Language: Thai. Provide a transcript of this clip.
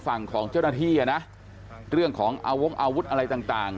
ฝั่งของเจ้าหน้าที่อ่ะนะเรื่องของอาวงอาวุธอะไรต่าง